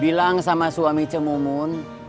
bilang sama suami cemumun